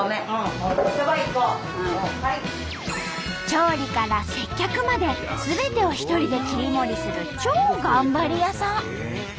調理から接客まですべてを一人で切り盛りする超頑張り屋さん！